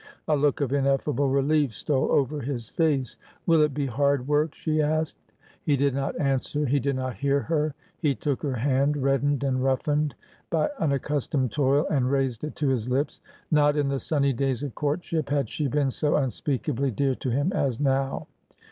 A look of ineffable relief stole over his face. Will it be hard work ? she asked. He did not answer. He did not hear her. He took her hand, reddened and roughened by unaccustomed toil, and raised it to his lips. Not in the sunny days of courtship had she been so unspeakably dear to him as now.